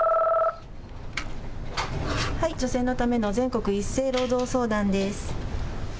女性のための全国一斉労働相談です。